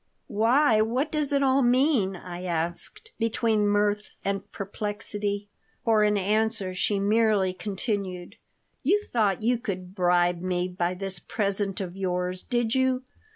Why? What does it all mean?" I asked, between mirth and perplexity For an answer she merely continued: "You thought you could bribe me by this present of yours, did you?